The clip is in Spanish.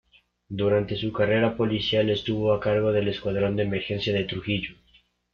Durante su carrera policial estuvo a cargo del Escuadrón de Emergencia de Trujillo.